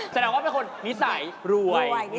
แสดงว่าเป็นคนนิสัยรวย